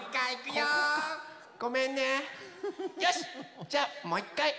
よし！